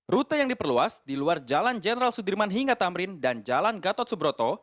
rute yang diperluas di luar jalan jenderal sudirman hingga tamrin dan jalan gatot subroto